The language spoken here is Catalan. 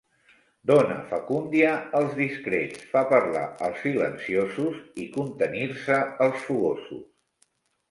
Dona facúndia als discrets, fa parlar els silenciosos i contenir-se els fogosos.